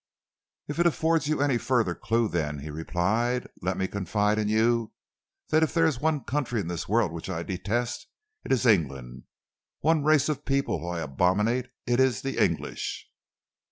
"If it affords you any further clue, then," he replied, "let me confide in you that if there is one country in this world which I detest, it is England; one race of people whom I abominate, it is the English."